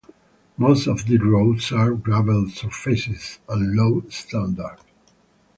Most of these roads are gravel-surfaced and low-standard.